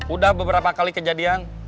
udah beberapa kali kejadian